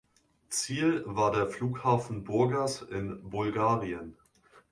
Ziel war der Flughafen Burgas in Bulgarien.